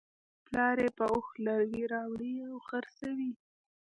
پلار یې په اوښ لرګي راوړي او خرڅوي.